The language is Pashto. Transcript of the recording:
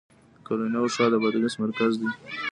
د قلعه نو ښار د بادغیس مرکز دی